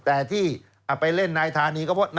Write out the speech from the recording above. แต่ที่ไปเล่นนายธานีก็เพราะ